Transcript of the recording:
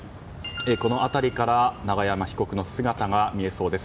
この辺りから永山被告の姿が見えそうです。